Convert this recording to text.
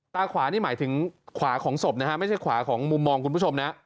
ตาขวานี่หมายถึงขวาของศพนะฮะไม่ใช่ขวาของมุมมองคุณผู้ชมนะ